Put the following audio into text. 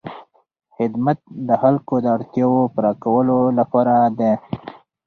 خدمت د خلکو د اړتیاوو پوره کولو لپاره دی.